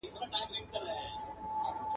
خو توپیر یې !.